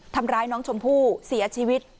ทำร้ายน้องชมพู่เสียชีวิต